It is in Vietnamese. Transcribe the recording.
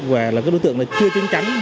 về đối tượng chưa chứng chắn